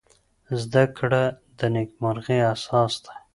زده کړه د نېکمرغۍ اساس دی.